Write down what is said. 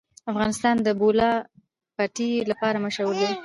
افغانستان د د بولان پټي لپاره مشهور دی.